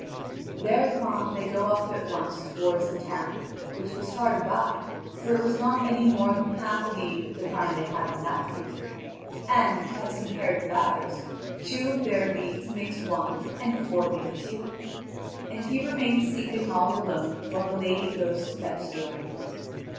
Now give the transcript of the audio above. Thereupon, they go off at once toward the town, which was hard by, for it was not any more than half a league of the kind they have in that country; and, as compared with ours, two of their leagues make one and four make two. And he remains sleeping all alone, while the lady goes to fetch the ointment.